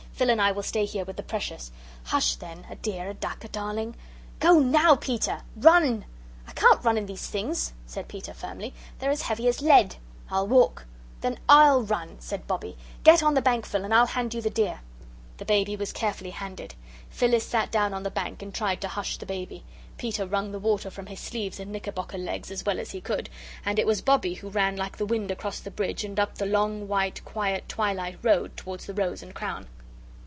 Phil and I will stay here with the precious. Hush, then, a dear, a duck, a darling! Go NOW, Peter! Run!" "I can't run in these things," said Peter, firmly; "they're as heavy as lead. I'll walk." "Then I'LL run," said Bobbie. "Get on the bank, Phil, and I'll hand you the dear." The baby was carefully handed. Phyllis sat down on the bank and tried to hush the baby. Peter wrung the water from his sleeves and knickerbocker legs as well as he could, and it was Bobbie who ran like the wind across the bridge and up the long white quiet twilight road towards the 'Rose and Crown.'